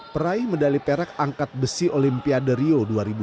peraih medali perak angkat besi olimpiade rio dua ribu dua puluh